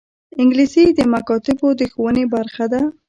انګلیسي د مکاتبو د ښوونې برخه ده